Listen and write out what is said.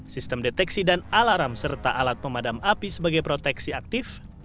sistem deteksi dan alarm serta alat pemadam api sebagai proteksi aktif